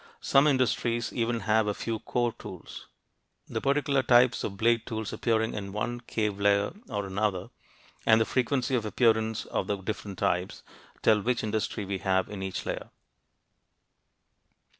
Some industries even have a few core tools. The particular types of blade tools appearing in one cave layer or another, and the frequency of appearance of the different types, tell which industry we have in each layer.